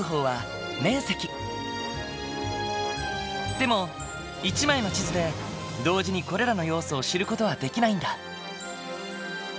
でも１枚の地図で同時にこれらの要素を知る事はできないんだ。